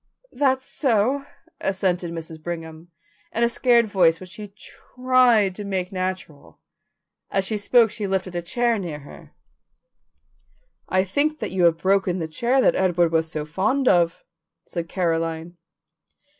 "That's so," assented Mrs. Brigham, in a scared voice which she tried to make natural. As she spoke she lifted a chair near her. "I think you have broken the chair that Edward was so fond of," said Caroline.